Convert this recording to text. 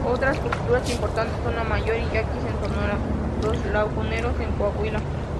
Otras culturas importantes son los mayos y yaquis en Sonora, los laguneros en Coahuila.